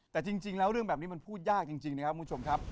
แต่จริงแล้วเรื่องแบบนี้มันพูดยากจริงนะครับคุณผู้ชมครับ